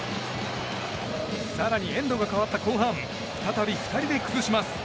更に、エンドが変わった後半再び２人で崩します。